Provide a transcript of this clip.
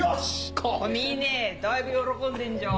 小峯だいぶ喜んでんじゃん。